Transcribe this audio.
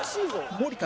森田！